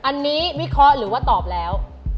อันนี้วิเคราะห์หรือว่าตอบแล้ว